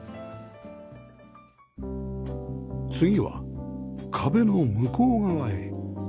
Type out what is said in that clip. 次は壁の向こう側へ